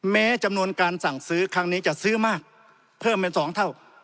แม้จำนวนการสั่งซื้อครั้งนี้จะซื้อมากเพิ่มเป็น๒เท่า